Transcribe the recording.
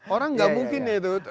orang nggak mungkin ya itu